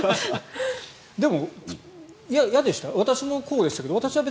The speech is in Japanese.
でも、嫌でした？